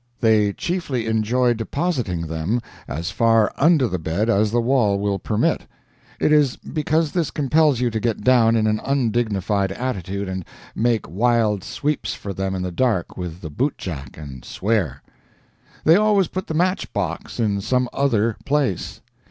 They chiefly enjoy depositing them as far under the bed as the wall will permit. It is because this compels you to get down in an undignified attitude and make wild sweeps for them in the dark with the bootjack, and swear. They always put the matchbox in some other place.